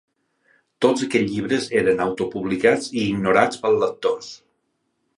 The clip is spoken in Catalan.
Tots aquests llibres eren autopublicats i ignorats pels lectors.